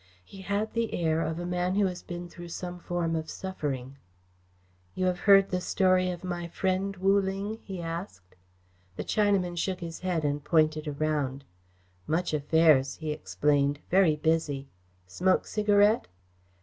He had the air of a man who has been through some form of suffering. "You have heard the story of my friend, Wu Ling?" he asked. The Chinaman shook his head and pointed around. "Much affairs," he explained. "Very busy. Smoke cigarette?"